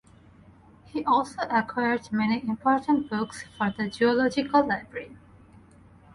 He also acquired many important books for the zoological library.